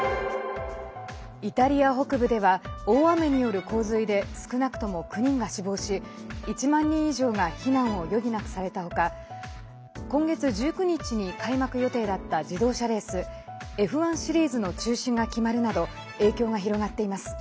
イタリア北部では大雨による洪水で少なくとも９人が死亡し１万人以上が避難を余儀なくされた他今月１９日に開幕予定だった自動車レースＦ１シリーズの中止が決まるなど影響が広がっています。